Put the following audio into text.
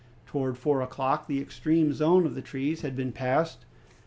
Towards four o'clock the extreme zone of the trees had been passed.